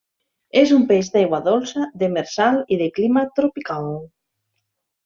És un peix d'aigua dolça, demersal i de clima tropical.